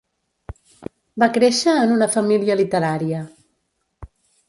Va créixer en una família literària.